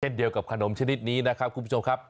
เดียวกับขนมชนิดนี้นะครับคุณผู้ชมครับ